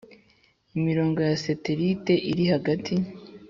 imirongo ya satellite iri hagati